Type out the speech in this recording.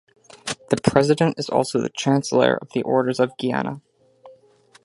The President is also the Chancellor of the Orders of Guyana.